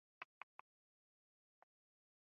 ـ پلار په کور نشته، مور نه ډار نشته.